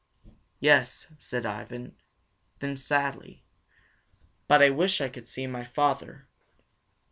"Yes," said Ivan. Then sadly, "But I wish I could see my father."